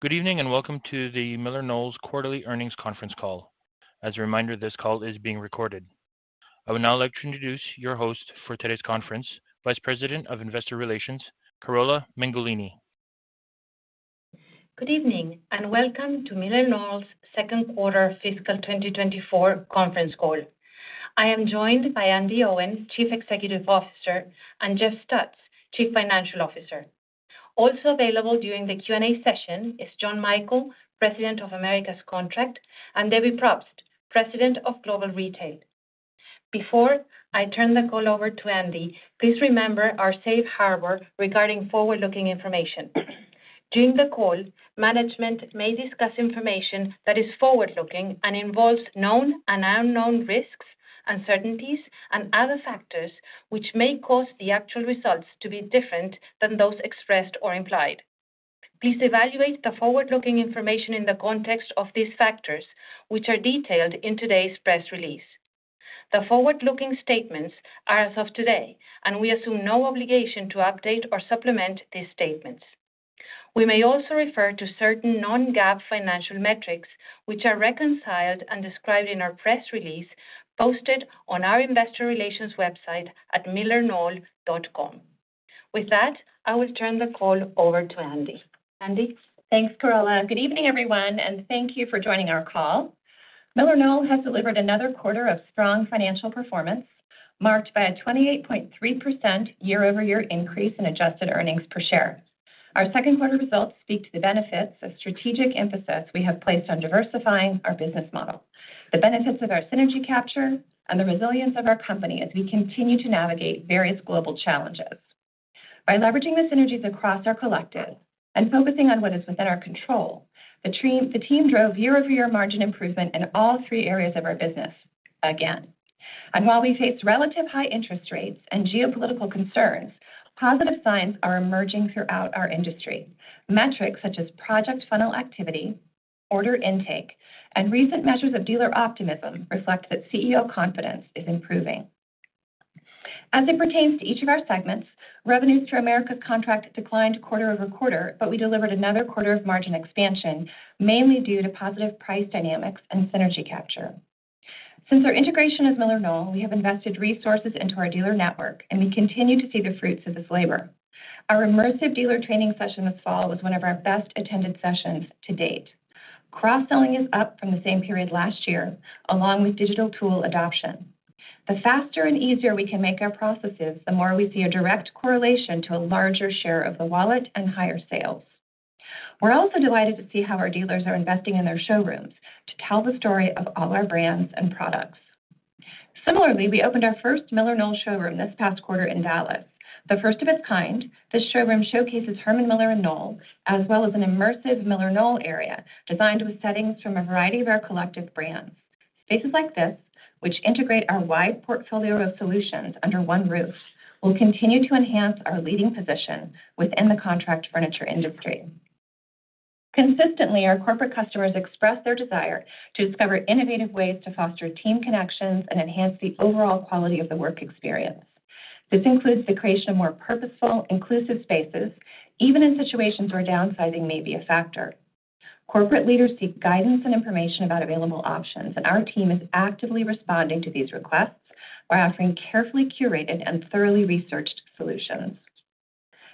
Good evening, and welcome to the MillerKnoll's quarterly earnings conference call. As a reminder, this call is being recorded. I would now like to introduce your host for today's conference, Vice President of Investor Relations, Carola Mengolini. Good evening, and welcome to MillerKnoll's second quarter fiscal 2024 conference call. I am joined by Andi Owen, Chief Executive Officer, and Jeff Stutz, Chief Financial Officer. Also available during the Q&A session is John Michael, President of Americas Contract, and Debbie Propst, President of Global Retail. Before I turn the call over to Andi, please remember our safe harbor regarding forward-looking information. During the call, management may discuss information that is forward-looking and involves known and unknown risks, uncertainties, and other factors, which may cause the actual results to be different than those expressed or implied. Please evaluate the forward-looking information in the context of these factors, which are detailed in today's press release. The forward-looking statements are as of today, and we assume no obligation to update or supplement these statements. We may also refer to certain non-GAAP financial metrics, which are reconciled and described in our press release posted on our investor relations website at millerknoll.com. With that, I will turn the call over to Andi. Andi? Thanks, Carola. Good evening, everyone, and thank you for joining our call. MillerKnoll has delivered another quarter of strong financial performance, marked by a 28.3% year-over-year increase in Adjusted Earnings Per Share. Our second quarter results speak to the benefits of strategic emphasis we have placed on diversifying our business model, the benefits of our synergy capture, and the resilience of our company as we continue to navigate various global challenges. By leveraging the synergies across our collective and focusing on what is within our control, the team, the team drove year-over-year margin improvement in all three areas of our business again. And while we face relatively high interest rates and geopolitical concerns, positive signs are emerging throughout our industry. Metrics such as Project Funnel activity, order intake, and recent measures of dealer optimism reflect that CEO confidence is improving. As it pertains to each of our segments, revenues through Americas Contract declined quarter-over-quarter, but we delivered another quarter of margin expansion, mainly due to positive price dynamics and synergy capture. Since our integration of MillerKnoll, we have invested resources into our dealer network, and we continue to see the fruits of this labor. Our immersive dealer training session this fall was one of our best-attended sessions to date. Cross-selling is up from the same period last year, along with digital tool adoption. The faster and easier we can make our processes, the more we see a direct correlation to a larger share of the wallet and higher sales. We're also delighted to see how our dealers are investing in their showrooms to tell the story of all our brands and products. Similarly, we opened our first MillerKnoll showroom this past quarter in Dallas. The first of its kind, this showroom showcases Herman Miller and Knoll, as well as an immersive MillerKnoll area designed with settings from a variety of our collective brands. Spaces like this, which integrate our wide portfolio of solutions under one roof, will continue to enhance our leading position within the contract furniture industry. Consistently, our corporate customers express their desire to discover innovative ways to foster team connections and enhance the overall quality of the work experience. This includes the creation of more purposeful, inclusive spaces, even in situations where downsizing may be a factor. Corporate leaders seek guidance and information about available options, and our team is actively responding to these requests by offering carefully curated and thoroughly researched solutions.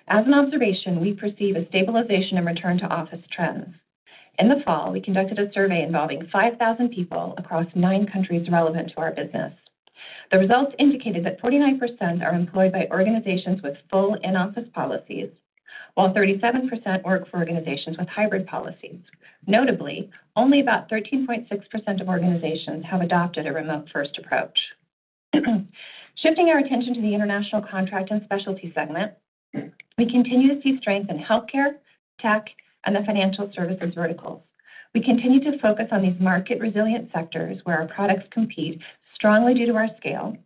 As an observation, we perceive a stabilization and return to office trends. In the fall, we conducted a survey involving 5,000 people across nine countries relevant to our business. The results indicated that 49% are employed by organizations with full in-office policies, while 37% work for organizations with hybrid policies. Notably, only about 13.6% of organizations have adopted a remote-first approach. Shifting our attention to the international contract and specialty segment, we continue to see strength in healthcare, tech, and the financial services verticals. We continue to focus on these market-resilient sectors, where our products compete strongly due to our scale,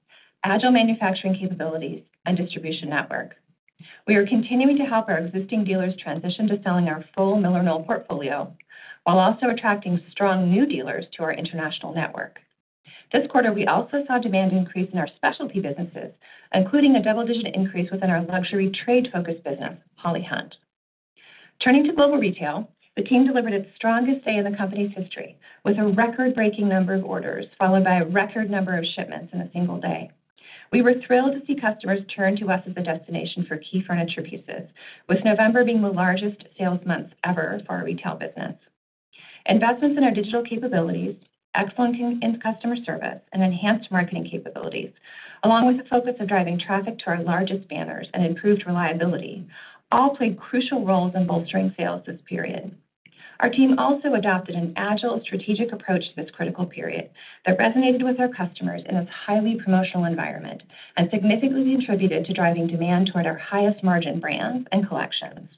agile manufacturing capabilities, and distribution network. We are continuing to help our existing dealers transition to selling our full MillerKnoll portfolio, while also attracting strong new dealers to our international network. This quarter, we also saw demand increase in our specialty businesses, including a double-digit increase within our luxury trade-focused business, Holly Hunt. Turning to Global Retail, the team delivered its strongest day in the company's history, with a record-breaking number of orders, followed by a record number of shipments in a single day. We were thrilled to see customers turn to us as a destination for key furniture pieces, with November being the largest sales month ever for our retail business. Investments in our digital capabilities, excellence in customer service, and enhanced marketing capabilities, along with a focus on driving traffic to our largest banners and improved reliability, all played crucial roles in bolstering sales this period. Our team also adopted an agile strategic approach to this critical period that resonated with our customers in this highly promotional environment and significantly contributed to driving demand toward our highest margin brands and collections.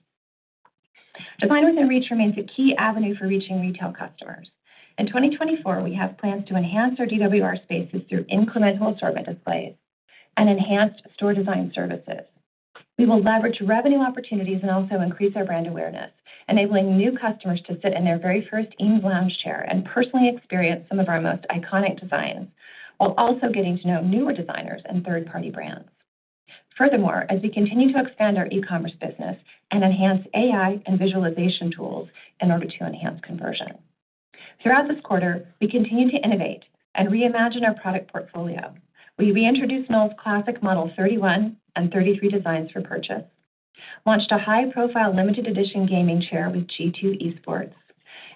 Design Within Reach remains a key avenue for reaching retail customers. In 2024, we have plans to enhance our DWR spaces through incremental assortment displays and enhanced store design services. We will leverage revenue opportunities and also increase our brand awareness, enabling new customers to sit in their very first Eames Lounge Chair and personally experience some of our most iconic designs, while also getting to know newer designers and third-party brands. Furthermore, as we continue to expand our e-commerce business and enhance AI and visualization tools in order to enhance conversion. Throughout this quarter, we continued to innovate and reimagine our product portfolio. We reintroduced Knoll's classic Model 31 and Model 33 designs for purchase, launched a high-profile limited edition gaming chair with G2 Esports,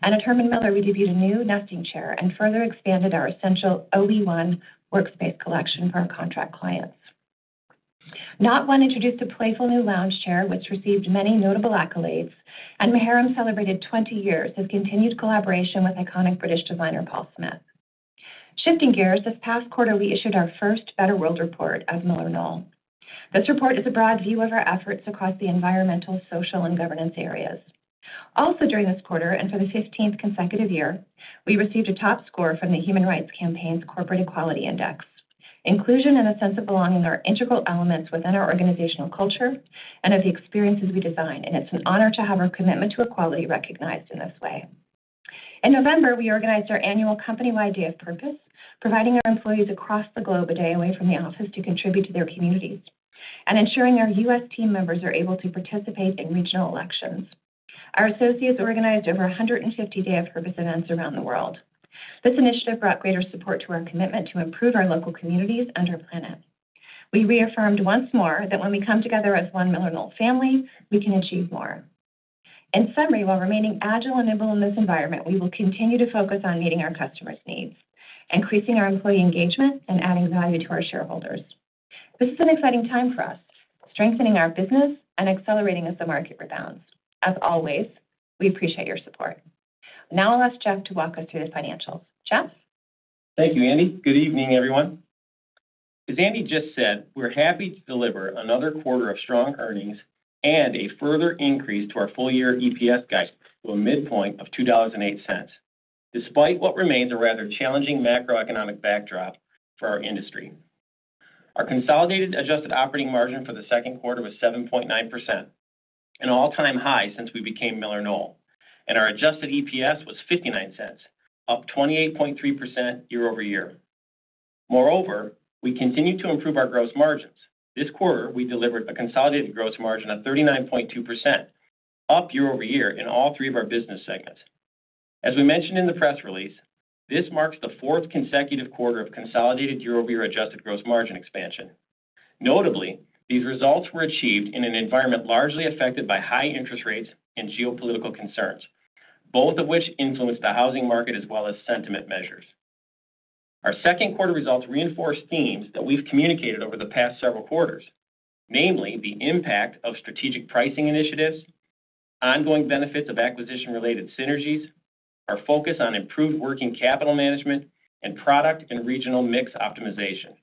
and at Herman Miller, we debuted a new nesting chair and further expanded our essential OE1 Workspace Collection for our contract clients. NaughtOne introduced a playful new lounge chair, which received many notable accolades, and Maharam celebrated 20 years of continued collaboration with iconic British designer Paul Smith. Shifting gears, this past quarter, we issued our first Better World report as MillerKnoll. This report is a broad view of our efforts across the environmental, social, and governance areas. Also, during this quarter, and for the 15th consecutive year, we received a top score from the Human Rights Campaign's Corporate Equality Index. Inclusion and a sense of belonging are integral elements within our organizational culture and of the experiences we design, and it's an honor to have our commitment to equality recognized in this way. In November, we organized our annual company-wide Day of Purpose, providing our employees across the globe a day away from the office to contribute to their communities and ensuring our U.S. team members are able to participate in regional elections. Our associates organized over 150 Day of Purpose events around the world. This initiative brought greater support to our commitment to improve our local communities and our planet. We reaffirmed once more that when we come together as one MillerKnoll family, we can achieve more. In summary, while remaining agile and nimble in this environment, we will continue to focus on meeting our customers' needs, increasing our employee engagement, and adding value to our shareholders. This is an exciting time for us, strengthening our business and accelerating as the market rebounds. As always, we appreciate your support. Now I'll ask Jeff to walk us through the financials. Jeff? Thank you, Andi. Good evening, everyone. As Andi just said, we're happy to deliver another quarter of strong earnings and a further increase to our full-year EPS guidance to a midpoint of $2.08, despite what remains a rather challenging macroeconomic backdrop for our industry. Our consolidated adjusted operating margin for the second quarter was 7.9%, an all-time high since we became MillerKnoll, and our adjusted EPS was $0.59, up 28.3% year-over-year. Moreover, we continued to improve our gross margins. This quarter, we delivered a consolidated gross margin of 39.2%, up year-over-year in all three of our business segments. As we mentioned in the press release, this marks the fourth consecutive quarter of consolidated year-over-year adjusted gross margin expansion. Notably, these results were achieved in an environment largely affected by high interest rates and geopolitical concerns, both of which influenced the housing market as well as sentiment measures. Our second quarter results reinforce themes that we've communicated over the past several quarters, namely, the impact of strategic pricing initiatives, ongoing benefits of acquisition-related synergies, our focus on improved working capital management, and product and regional mix optimization.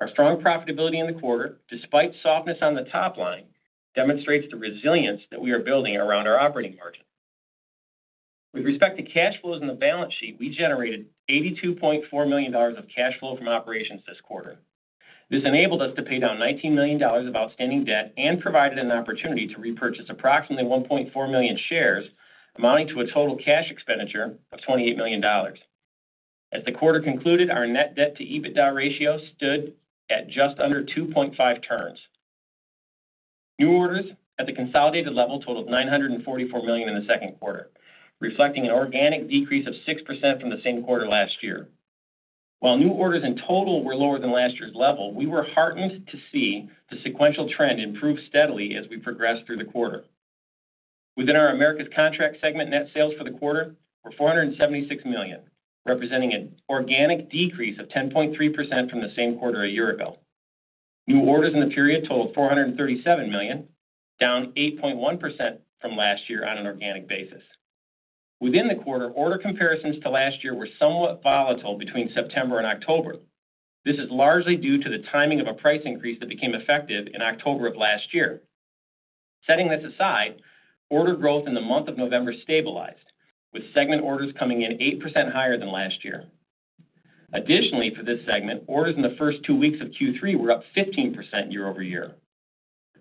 Our strong profitability in the quarter, despite softness on the top line, demonstrates the resilience that we are building around our operating margin. With respect to cash flows in the balance sheet, we generated $82.4 million of cash flow from operations this quarter. This enabled us to pay down $19 million of outstanding debt and provided an opportunity to repurchase approximately 1.4 million shares, amounting to a total cash expenditure of $28 million. As the quarter concluded, our net debt to EBITDA ratio stood at just under 2.5 turns. New orders at the consolidated level totaled $944 million in the second quarter, reflecting an organic decrease of 6% from the same quarter last year. While new orders in total were lower than last year's level, we were heartened to see the sequential trend improve steadily as we progressed through the quarter. Within our Americas Contract segment, net sales for the quarter were $476 million, representing an organic decrease of 10.3% from the same quarter a year ago. New orders in the period totaled $437 million, down 8.1% from last year on an organic basis. Within the quarter, order comparisons to last year were somewhat volatile between September and October. This is largely due to the timing of a price increase that became effective in October of last year. Setting this aside, order growth in the month of November stabilized, with segment orders coming in 8% higher than last year. Additionally, for this segment, orders in the first two weeks of Q3 were up 15% year-over-year.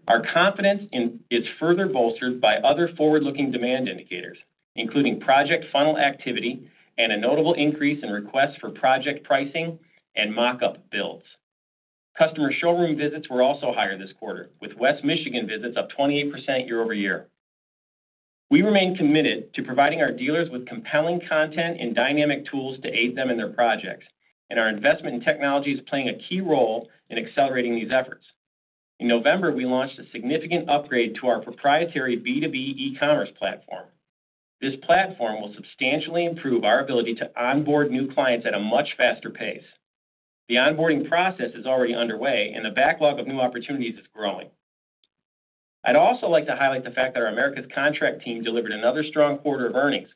Our confidence is further bolstered by other forward-looking demand indicators, including Project Funnel activity and a notable increase in requests for project pricing and mock-up builds. Customer showroom visits were also higher this quarter, with West Michigan visits up 28% year-over-year. We remain committed to providing our dealers with compelling content and dynamic tools to aid them in their projects, and our investment in technology is playing a key role in accelerating these efforts. In November, we launched a significant upgrade to our proprietary B2B e-commerce platform. This platform will substantially improve our ability to onboard new clients at a much faster pace. The onboarding process is already underway, and the backlog of new opportunities is growing. I'd also like to highlight the fact that our Americas Contract team delivered another strong quarter of earnings,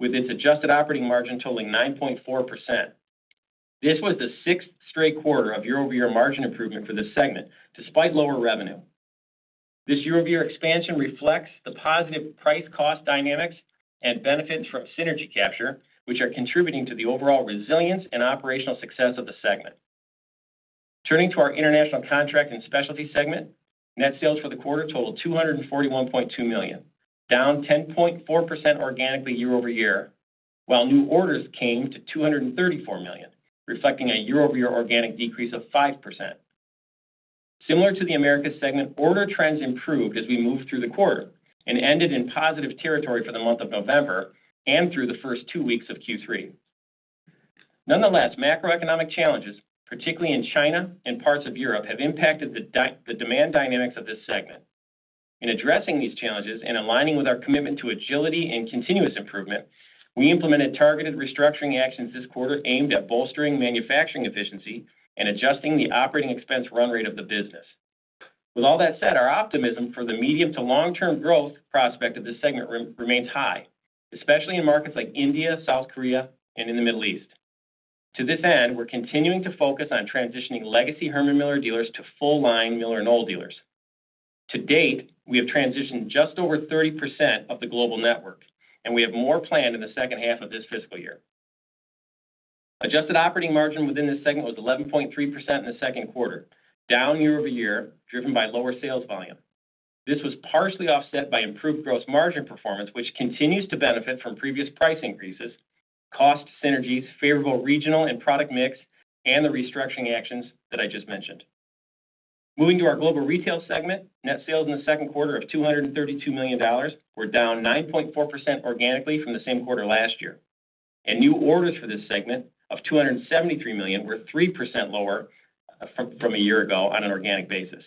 with its adjusted operating margin totaling 9.4%. This was the sixth straight quarter of year-over-year margin improvement for this segment, despite lower revenue. This year-over-year expansion reflects the positive price cost dynamics and benefits from synergy capture, which are contributing to the overall resilience and operational success of the segment. Turning to our international contract and specialty segment, net sales for the quarter totaled $241.2 million, down 10.4% organically year-over-year. While new orders came to $234 million, reflecting a year-over-year organic decrease of 5%. Similar to the Americas segment, order trends improved as we moved through the quarter and ended in positive territory for the month of November and through the first two weeks of Q3. Nonetheless, macroeconomic challenges, particularly in China and parts of Europe, have impacted the demand dynamics of this segment. In addressing these challenges and aligning with our commitment to agility and continuous improvement, we implemented targeted restructuring actions this quarter, aimed at bolstering manufacturing efficiency and adjusting the operating expense run rate of the business. With all that said, our optimism for the medium- to long-term growth prospect of this segment remains high, especially in markets like India, South Korea, and in the Middle East. To this end, we're continuing to focus on transitioning legacy Herman Miller dealers to full-line MillerKnoll dealers. To date, we have transitioned just over 30% of the global network, and we have more planned in the second half of this fiscal year. Adjusted operating margin within this segment was 11.3% in the second quarter, down year-over-year, driven by lower sales volume. This was partially offset by improved gross margin performance, which continues to benefit from previous price increases, cost synergies, favorable regional and product mix, and the restructuring actions that I just mentioned. Moving to our Global Retail segment, net sales in the second quarter of $232 million were down 9.4% organically from the same quarter last year. New orders for this segment of $273 million were 3% lower from a year ago on an organic basis.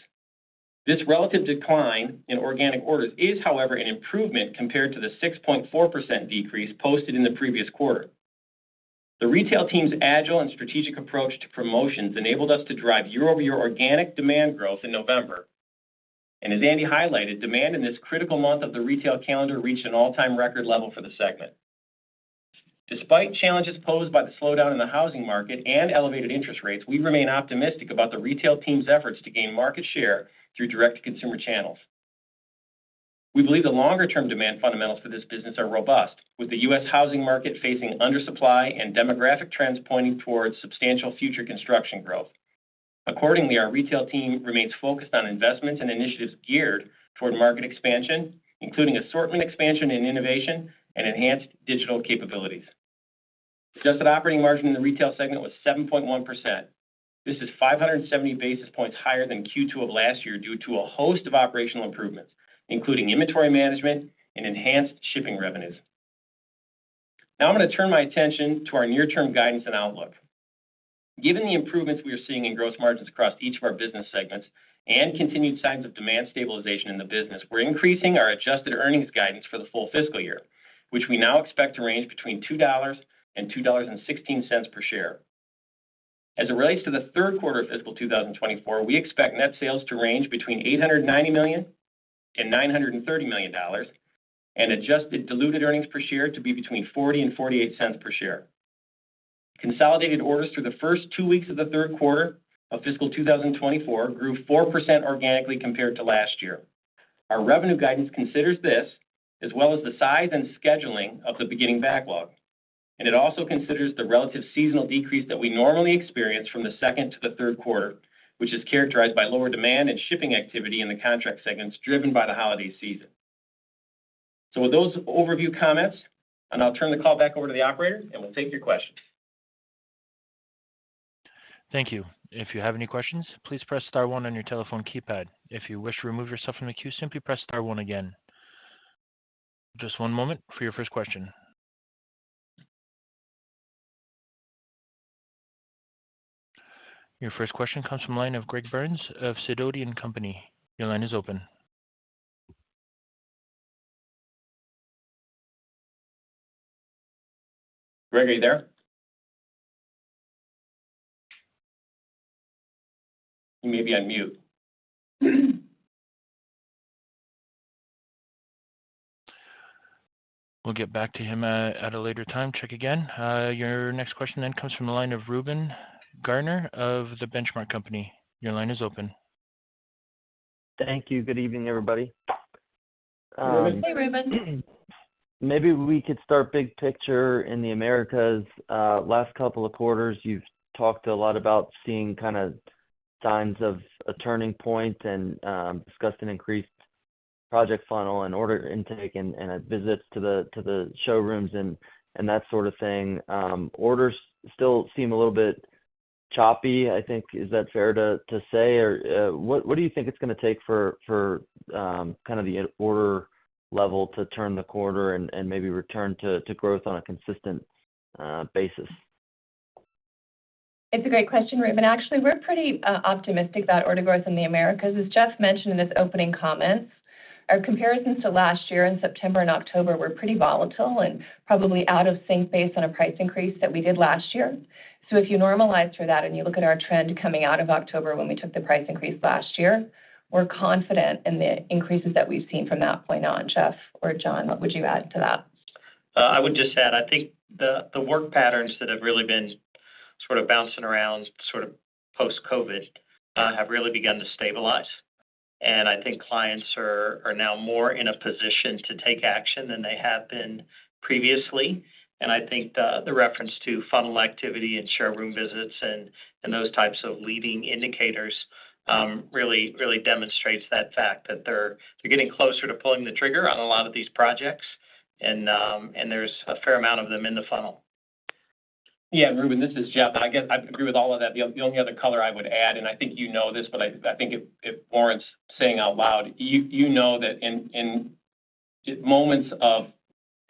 This relative decline in organic orders is, however, an improvement compared to the 6.4% decrease posted in the previous quarter. The retail team's agile and strategic approach to promotions enabled us to drive year-over-year organic demand growth in November. And as Andi highlighted, demand in this critical month of the retail calendar reached an all-time record level for the segment. Despite challenges posed by the slowdown in the housing market and elevated interest rates, we remain optimistic about the retail team's efforts to gain market share through direct-to-consumer channels. We believe the longer-term demand fundamentals for this business are robust, with the US housing market facing undersupply and demographic trends pointing towards substantial future construction growth. Accordingly, our retail team remains focused on investments and initiatives geared toward market expansion, including assortment expansion and innovation and enhanced digital capabilities. Adjusted operating margin in the retail segment was 7.1%. This is 570 basis points higher than Q2 of last year, due to a host of operational improvements, including inventory management and enhanced shipping revenues. Now I'm gonna turn my attention to our near-term guidance and outlook. Given the improvements we are seeing in gross margins across each of our business segments and continued signs of demand stabilization in the business, we're increasing our adjusted earnings guidance for the full fiscal year, which we now expect to range between $2 and $2.16 per share. As it relates to the third quarter of fiscal 2024, we expect net sales to range between $890 million and $930 million, and adjusted diluted earnings per share to be between $0.40 and $0.48 per share. Consolidated orders through the first two weeks of the third quarter of fiscal 2024 grew 4% organically compared to last year. Our revenue guidance considers this, as well as the size and scheduling of the beginning backlog, and it also considers the relative seasonal decrease that we normally experience from the second to the third quarter, which is characterized by lower demand and shipping activity in the contract segments, driven by the holiday season. So with those overview comments, and I'll turn the call back over to the operator, and we'll take your questions. Thank you. If you have any questions, please press star one on your telephone keypad. If you wish to remove yourself from the queue, simply press star one again. Just one moment for your first question. Your first question comes from the line of Greg Burns of Sidoti & Company. Your line is open. Greg, are you there? You may be on mute. We'll get back to him at a later time. Check again. Your next question then comes from the line of Reuben Garner of The Benchmark Company. Your line is open. Thank you. Good evening, everybody. Hey, Reuben. Maybe we could start big picture in the Americas. Last couple of quarters, you've talked a lot about seeing kinda signs of a turning point and discussed an increased project funnel and order intake and visits to the showrooms and that sort of thing. Orders still seem a little bit choppy, I think. Is that fair to say? Or, what do you think it's gonna take for kind of the order level to turn the quarter and maybe return to growth on a consistent basis? It's a great question, Reuben. Actually, we're pretty optimistic about order growth in the Americas. As Jeff mentioned in his opening comments, our comparisons to last year in September and October were pretty volatile and probably out of sync based on a price increase that we did last year. So if you normalize for that, and you look at our trend coming out of October when we took the price increase last year, we're confident in the increases that we've seen from that point on. Jeff or John, what would you add to that? I would just add, I think the work patterns that have really been sort of bouncing around, sort of post-COVID, have really begun to stabilize. I think clients are now more in a position to take action than they have been previously. I think the reference to funnel activity and showroom visits and those types of leading indicators really, really demonstrates that fact that they're getting closer to pulling the trigger on a lot of these projects, and there's a fair amount of them in the funnel. Yeah, Reuben, this is Jeff. I guess I agree with all of that. The only other color I would add, and I think you know this, but I think it warrants saying out loud, you know that in moments of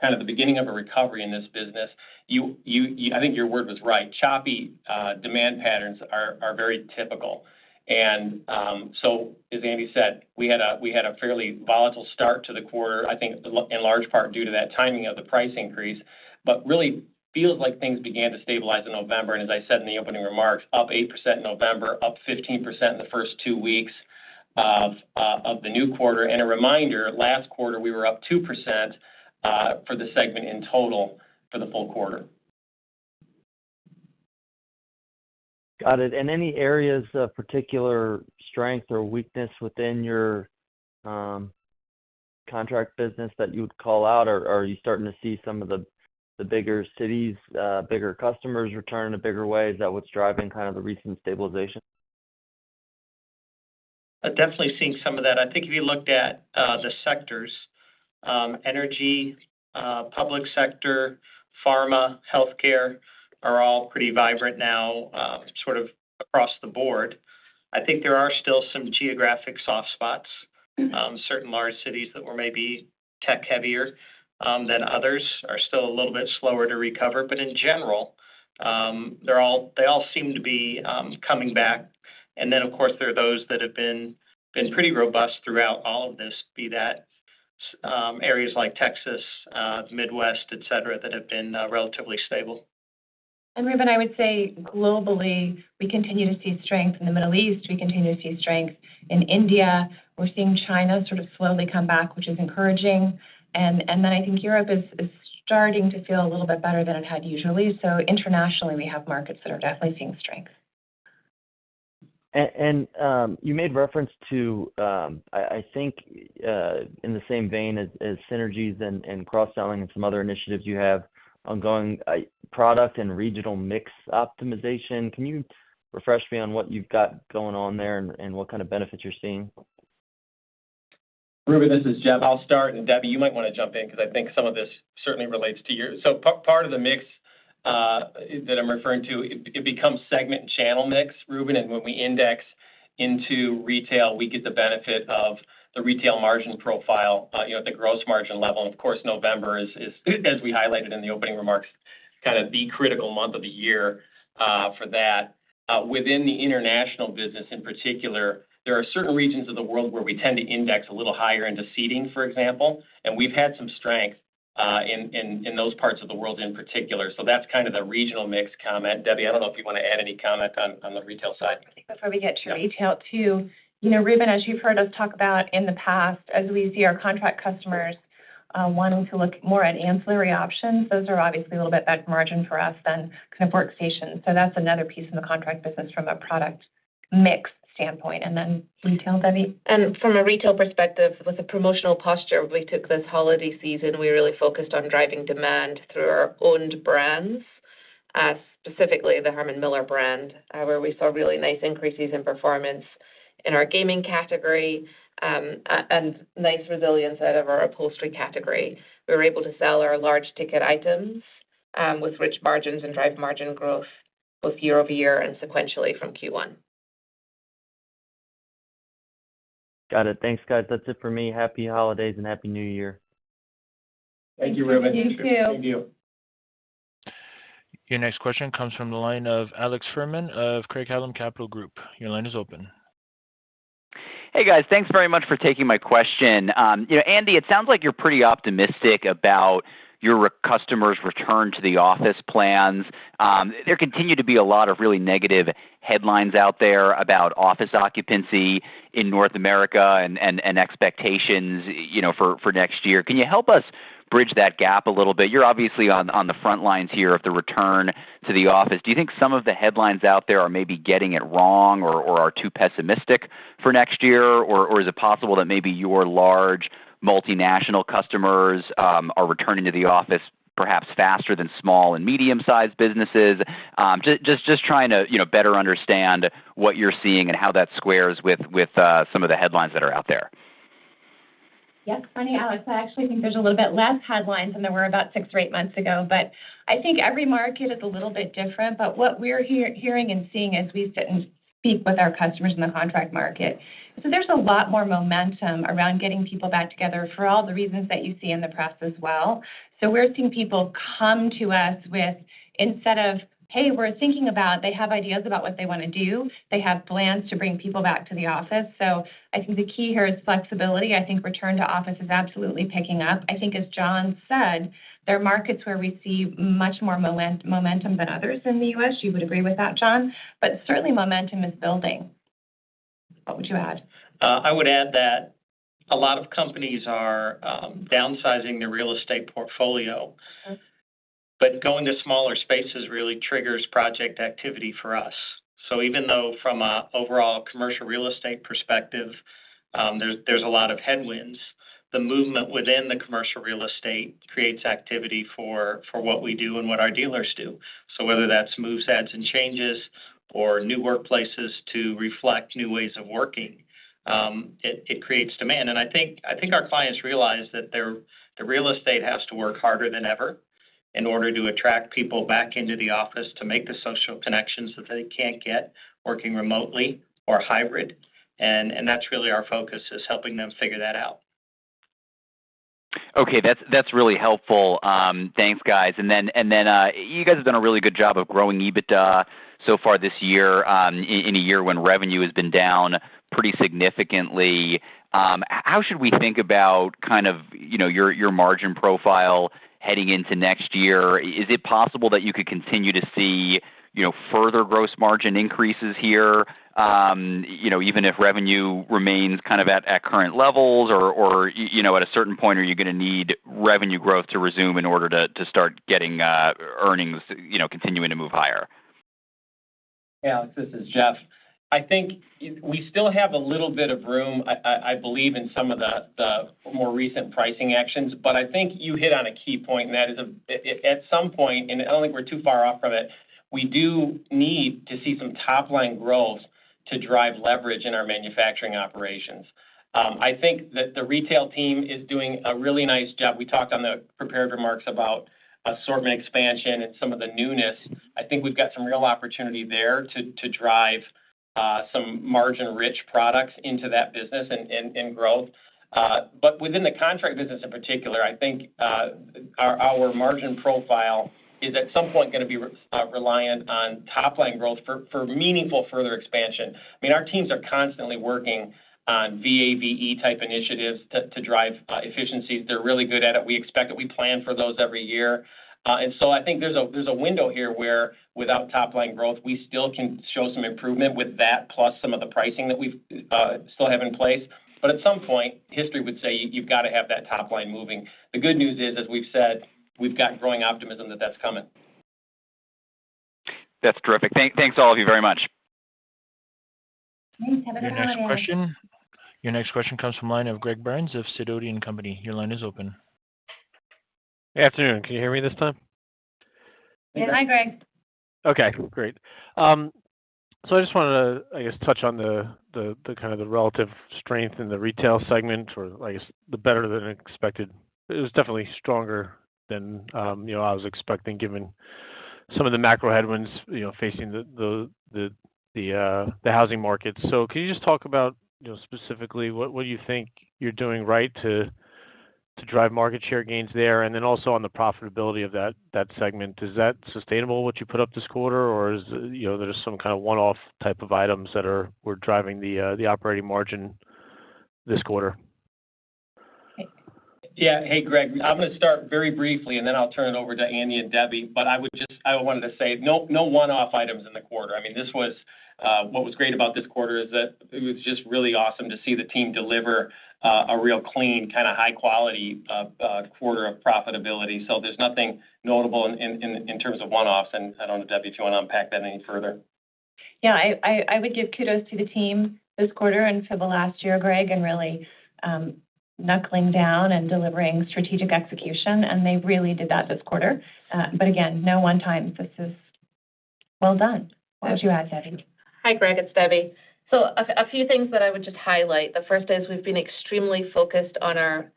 kind of the beginning of a recovery in this business, you I think your word was right, choppy demand patterns are very typical. And so as Andi said, we had a fairly volatile start to the quarter, I think in large part due to that timing of the price increase. But really feels like things began to stabilize in November, and as I said in the opening remarks, up 8% in November, up 15% in the first two weeks of the new quarter. And a reminder, last quarter, we were up 2% for the segment in total for the full quarter. Got it. And any areas of particular strength or weakness within your contract business that you would call out? Or, are you starting to see some of the bigger cities, bigger customers return in a bigger way? Is that what's driving kind of the recent stabilization? I'm definitely seeing some of that. I think if you looked at the sectors: energy, public sector, pharma, healthcare, are all pretty vibrant now, sort of across the board. I think there are still some geographic soft spots. Certain large cities that were maybe tech heavier than others are still a little bit slower to recover. But in general, they're all they all seem to be coming back. And then, of course, there are those that have been pretty robust throughout all of this, be that areas like Texas, Midwest, et cetera, that have been relatively stable. And Reuben, I would say globally, we continue to see strength in the Middle East. We continue to see strength in India. We're seeing China sort of slowly come back, which is encouraging. And, and then I think Europe is, is starting to feel a little bit better than it had usually. So internationally, we have markets that are definitely seeing strength. You made reference to, I think, in the same vein as synergies and cross-selling and some other initiatives you have ongoing, product and regional mix optimization. Can you refresh me on what you've got going on there and what kind of benefits you're seeing? Reuben, this is Jeff. I'll start, and, Debbie, you might wanna jump in because I think some of this certainly relates to you. So part of the mix that I'm referring to, it becomes segment and channel mix, Reuben, and when we index into retail, we get the benefit of the retail margin profile, you know, at the gross margin level. And of course, November is, as we highlighted in the opening remarks, kind of the critical month of the year for that. Within the international business, in particular, there are certain regions of the world where we tend to index a little higher into seating, for example, and we've had some strength in those parts of the world in particular. So that's kind of the regional mix comment. Debbie, I don't know if you wanna add any comment on, on the retail side. I think before we get to retail, too, you know, Reuben, as you've heard us talk about in the past, as we see our contract customers wanting to look more at ancillary options, those are obviously a little bit better margin for us than kind of workstations. So that's another piece in the contract business from a product mix standpoint. And then retail, Debbie? From a retail perspective, with the promotional posture we took this holiday season, we really focused on driving demand through our owned brands, specifically the Herman Miller brand, where we saw really nice increases in performance in our gaming category, and nice resilience out of our upholstery category. We were able to sell our large ticket items, with rich margins and drive margin growth, both year-over-year and sequentially from Q1. Got it. Thanks, guys. That's it for me. Happy holidays and Happy New Year. Thank you, Reuben. Thank you. Thank you. Your next question comes from the line of Alex Fuhrman of Craig-Hallum Capital Group. Your line is open. Hey, guys, thanks very much for taking my question. You know, Andi, it sounds like you're pretty optimistic about your customers' return to the office plans. There continue to be a lot of really negative headlines out there about office occupancy in North America and expectations, you know, for next year. Can you help us bridge that gap a little bit? You're obviously on the front lines here of the return to the office. Do you think some of the headlines out there are maybe getting it wrong or are too pessimistic for next year? Or is it possible that maybe your large multinational customers are returning to the office perhaps faster than small and medium-sized businesses? Just trying to, you know, better understand what you're seeing and how that squares with some of the headlines that are out there. Yeah. Funny, Alex, I actually think there's a little bit less headlines than there were about six or eight months ago, but I think every market is a little bit different. But what we're hearing and seeing as we sit and speak with our customers in the contract market, so there's a lot more momentum around getting people back together for all the reasons that you see in the press as well. So we're seeing people come to us with, instead of, "Hey, we're thinking about..." They have ideas about what they wanna do. They have plans to bring people back to the office. So I think the key here is flexibility. I think return to office is absolutely picking up. I think as John said, there are markets where we see much more momentum than others in the U.S. You would agree with that, John? But certainly, momentum is building. What would you add? I would add that a lot of companies are downsizing their real estate portfolio. Yes. But going to smaller spaces really triggers project activity for us. So even though from an overall commercial real estate perspective, there's a lot of headwinds, the movement within the commercial real estate creates activity for what we do and what our dealers do. So whether that's moves, adds, and changes.... or new workplaces to reflect new ways of working, it creates demand. And I think our clients realize that their real estate has to work harder than ever in order to attract people back into the office to make the social connections that they can't get working remotely or hybrid. And that's really our focus, is helping them figure that out. Okay, that's, that's really helpful. Thanks, guys. And then, and then, you guys have done a really good job of growing EBITDA so far this year, in, in a year when revenue has been down pretty significantly. How should we think about kind of, you know, your, your margin profile heading into next year? Is it possible that you could continue to see, you know, further gross margin increases here, you know, even if revenue remains kind of at, at current levels, or, or, you, you know, at a certain point, are you gonna need revenue growth to resume in order to, to start getting, earnings, you know, continuing to move higher? Yeah, this is Jeff. I think we still have a little bit of room, I believe, in some of the more recent pricing actions. But I think you hit on a key point, and that is, at some point, and I don't think we're too far off from it, we do need to see some top-line growth to drive leverage in our manufacturing operations. I think that the retail team is doing a really nice job. We talked on the prepared remarks about assortment expansion and some of the newness. I think we've got some real opportunity there to drive some margin-rich products into that business and growth. But within the contract business in particular, I think our margin profile is at some point gonna be reliant on top-line growth for meaningful further expansion. I mean, our teams are constantly working on VAVE-type initiatives to drive efficiencies. They're really good at it. We expect it. We plan for those every year. And so I think there's a window here where without top-line growth, we still can show some improvement with that, plus some of the pricing that we've still have in place. But at some point, history would say you've gotta have that top line moving. The good news is, as we've said, we've got growing optimism that that's coming. That's terrific. Thanks, all of you, very much. Thanks. Have a good afternoon. Your next question comes from line of Greg Burns of Sidoti & Company. Your line is open. Good afternoon. Can you hear me this time? Yeah. Hi, Greg. Okay, great. So I just wanted to, I guess, touch on the kind of relative strength in the retail segment, or I guess the better than expected... It was definitely stronger than, you know, I was expecting, given some of the macro headwinds, you know, facing the housing market. So can you just talk about, you know, specifically, what you think you're doing right to drive market share gains there? And then also on the profitability of that segment, is that sustainable, what you put up this quarter? Or is it, you know, there's some kind of one-off type of items that are—were driving the operating margin this quarter? Yeah. Hey, Greg, I'm gonna start very briefly, and then I'll turn it over to Andi and Debbie. But I would just, I wanted to say, no, no one-off items in the quarter. I mean, this was what was great about this quarter is that it was just really awesome to see the team deliver a real clean, kinda high quality quarter of profitability. So there's nothing notable in terms of one-offs, and I don't know, Debbie, if you wanna unpack that any further. Yeah, I would give kudos to the team this quarter and for the last year, Greg, in really knuckling down and delivering strategic execution, and they really did that this quarter. But again, no one-time. This is well done. What would you add, Debbie? Hi, Greg, it's Debbie. So, a few things that I would just highlight. The first is we've been extremely focused on our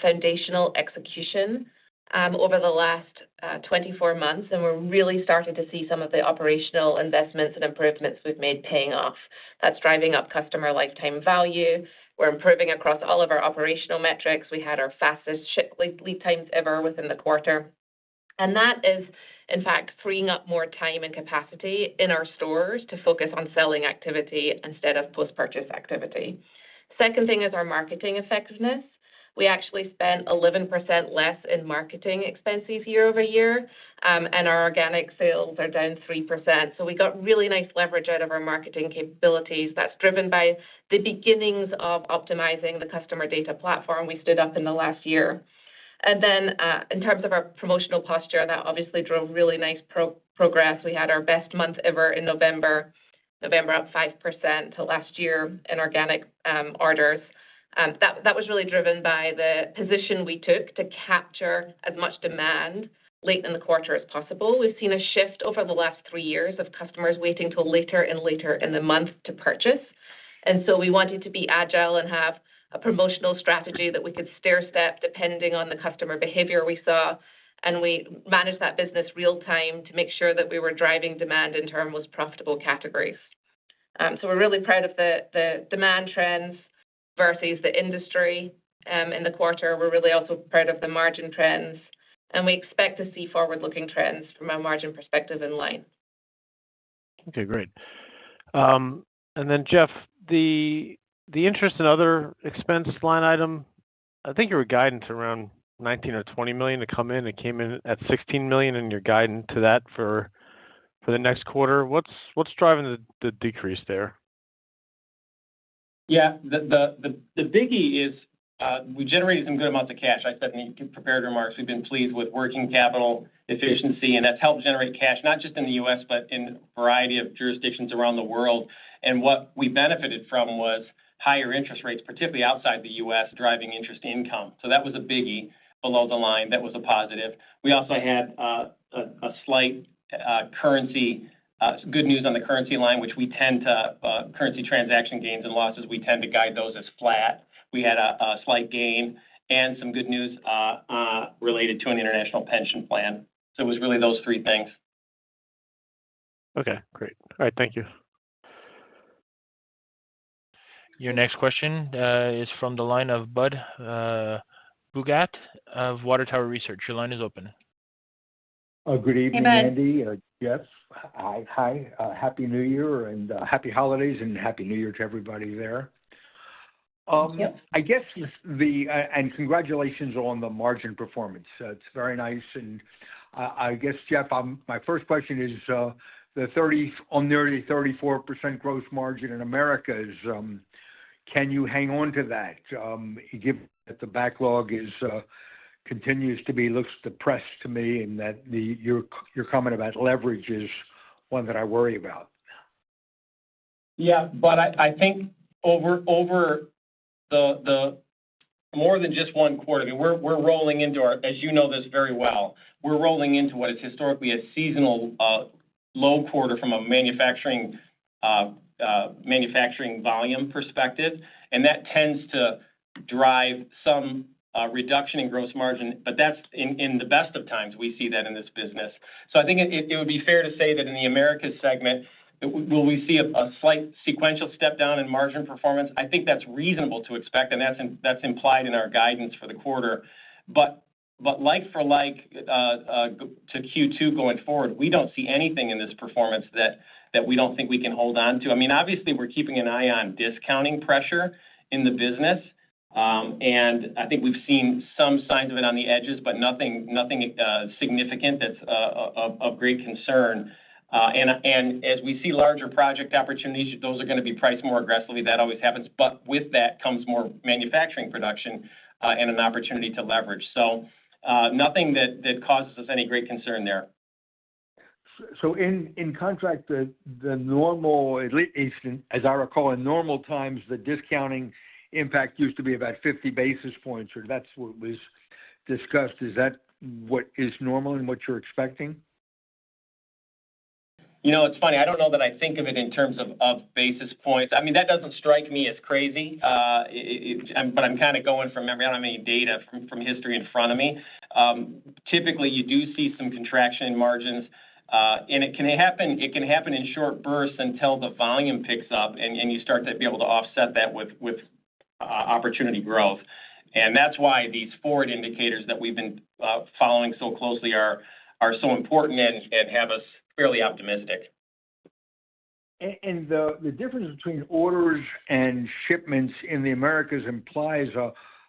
foundational execution over the last 24 months, and we're really starting to see some of the operational investments and improvements we've made paying off. That's driving up customer lifetime value. We're improving across all of our operational metrics. We had our fastest ship, like, lead times ever within the quarter. And that is, in fact, freeing up more time and capacity in our stores to focus on selling activity instead of post-purchase activity. Second thing is our marketing effectiveness. We actually spent 11% less in marketing expenses year-over-year, and our organic sales are down 3%. So we got really nice leverage out of our marketing capabilities. That's driven by the beginnings of optimizing the customer data platform we stood up in the last year. And then in terms of our promotional posture, that obviously drove really nice progress. We had our best month ever in November, November up 5% to last year in organic orders. That was really driven by the position we took to capture as much demand late in the quarter as possible. We've seen a shift over the last three years of customers waiting till later and later in the month to purchase. And so we wanted to be agile and have a promotional strategy that we could stairstep depending on the customer behavior we saw, and we managed that business real time to make sure that we were driving demand in term with profitable categories. So we're really proud of the, the demand trends versus the industry, in the quarter. We're really also proud of the margin trends, and we expect to see forward-looking trends from a margin perspective in line. Okay, great. And then Jeff, the interest and other expense line item, I think your guidance around $19 million-$20 million to come in, it came in at $16 million, and you're guiding to that for the next quarter. What's driving the decrease there? Yeah, the biggie is, we generated some good amounts of cash. I said in the prepared remarks, we've been pleased with working capital efficiency, and that's helped generate cash, not just in the US, but in a variety of jurisdictions around the world. And what we benefited from was higher interest rates, particularly outside the US, driving interest income. So that was a biggie below the line. That was a positive. We also had a slight-... currency, good news on the currency line, which we tend to currency transaction gains and losses, we tend to guide those as flat. We had a slight gain and some good news related to an international pension plan. It was really those three things. Okay, great. All right, thank you. Your next question is from the line of Budd Bugatch of Water Tower Research. Your line is open. Good evening. Hey, Budd. Andi, Jeff. Hi. Hi, Happy New Year, and happy holidays, and Happy New Year to everybody there. Yep. I guess the and congratulations on the margin performance. It's very nice, and I, I guess, Jeff, my first question is, the 30 on nearly 34% gross margin in Americas, can you hang on to that? Given that the backlog is continues to be looks depressed to me, and that the, your, your comment about leverage is one that I worry about. Yeah, but I think over the more than just one quarter, I mean, we're rolling into our... As you know this very well, we're rolling into what is historically a seasonal low quarter from a manufacturing volume perspective, and that tends to drive some reduction in gross margin. But that's in the best of times, we see that in this business. So I think it would be fair to say that in the Americas segment, will we see a slight sequential step down in margin performance? I think that's reasonable to expect, and that's implied in our guidance for the quarter. But like for like to Q2 going forward, we don't see anything in this performance that we don't think we can hold on to. I mean, obviously, we're keeping an eye on discounting pressure in the business. And I think we've seen some signs of it on the edges, but nothing, nothing, significant that's of great concern. And as we see larger project opportunities, those are gonna be priced more aggressively. That always happens. But with that comes more manufacturing production and an opportunity to leverage. So, nothing that causes us any great concern there. So in contract, the normal, at least, as I recall, in normal times, the discounting impact used to be about 50 basis points, or that's what was discussed. Is that what is normal and what you're expecting? You know, it's funny. I don't know that I think of it in terms of basis points. I mean, that doesn't strike me as crazy, it. But I'm kinda going from memory. I don't have any data from history in front of me. Typically, you do see some contraction in margins, and it can happen, it can happen in short bursts until the volume picks up and you start to be able to offset that with opportunity growth. And that's why these forward indicators that we've been following so closely are so important and have us fairly optimistic. The difference between orders and shipments in the Americas implies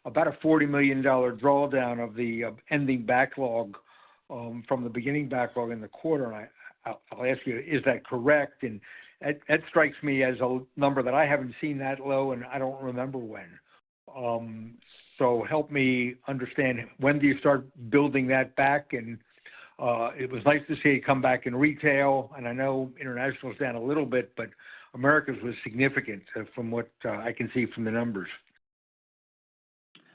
about a $40 million drawdown of the ending backlog from the beginning backlog in the quarter. And I'll ask you, is that correct? And that strikes me as a number that I haven't seen that low, and I don't remember when. So help me understand, when do you start building that back? And it was nice to see a comeback in retail, and I know international is down a little bit, but Americas was significant from what I can see from the numbers.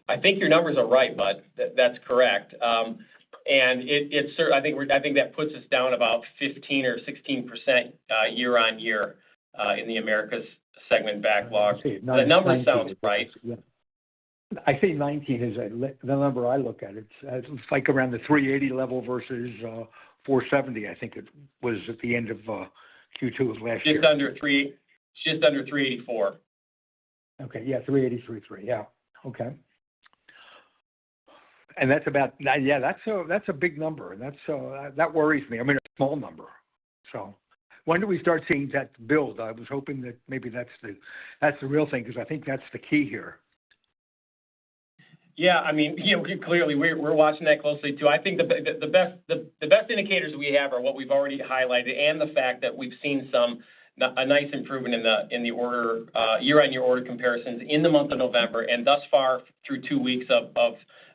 I think your numbers are right, Budd. That's correct. I think that puts us down about 15 or 16%, year-on-year, in the Americas segment backlog. I see. The number sounds right. Yeah. I think 19 is the number I look at. It's like around the 380 level versus 470, I think it was at the end of Q2 of last year. Just under $3, just under $384. Okay. Yeah, 3,833. Yeah. Okay. And that's about... Yeah, that's a, that's a big number, and that's, that worries me. I mean, a small number. So when do we start seeing that build? I was hoping that maybe that's the, that's the real thing, 'cause I think that's the key here. Yeah, I mean, you know, clearly, we're watching that closely, too. I think the best indicators we have are what we've already highlighted and the fact that we've seen some a nice improvement in the order year-on-year order comparisons in the month of November and thus far through two weeks of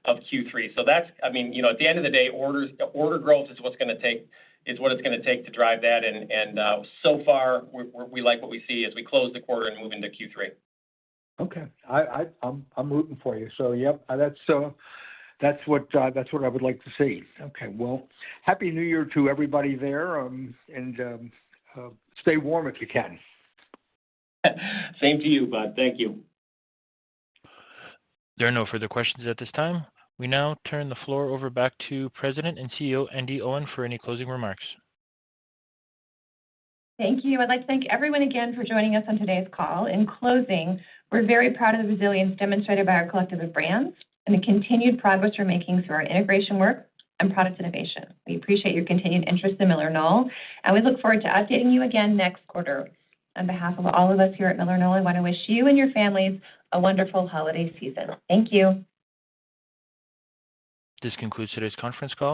Q3. So that's— I mean, you know, at the end of the day, orders, order growth is what's gonna take, is what it's gonna take to drive that, and so far, we like what we see as we close the quarter and move into Q3. Okay. I'm rooting for you. So, yep, that's what I would like to see. Okay, well, Happy New Year to everybody there, and stay warm if you can. Same to you, Budd. Thank you. There are no further questions at this time. We now turn the floor over back to President and CEO, Andi Owen, for any closing remarks. Thank you. I'd like to thank everyone again for joining us on today's call. In closing, we're very proud of the resilience demonstrated by our collective of brands and the continued progress we're making through our integration work and product innovation. We appreciate your continued interest in MillerKnoll, and we look forward to updating you again next quarter. On behalf of all of us here at MillerKnoll, I want to wish you and your families a wonderful holiday season. Thank you. This concludes today's conference call.